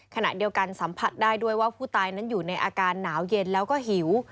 ขณะเดียวกันสัมผัสได้ด้วยว่าผู้ตายนั้นอยู่ในอาการหนาวเย็นแล้วก็หิว